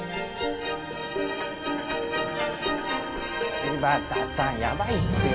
柴田さんやばいっすよ！